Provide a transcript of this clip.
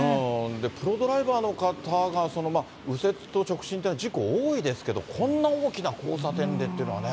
プロドライバーの方が右折と直進というのは事故多いですけど、こんな大きな交差点でというのはね。